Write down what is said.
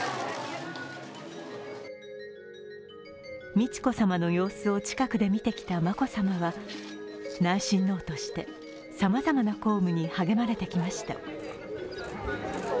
美智子さまの様子を近くで見てきた眞子さまは内親王として、さまざまな公務に励まれてきました。